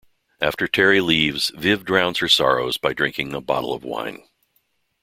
After Terry leaves, Viv drowns her sorrows by drinking a bottle of wine.